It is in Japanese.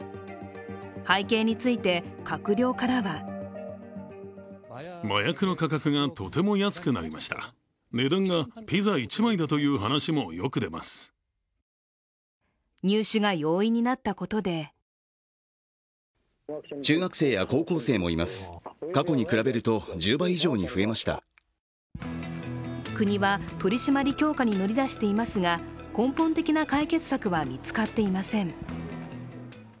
背景について、閣僚からは入手が容易になったことで国は取り締まり強化に乗り出していますが、根本的な解決策は見つかっていません。